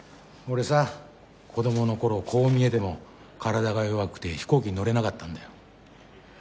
俺さ子供の頃こう見えても体が弱くて飛行機に乗れなかったんだよ。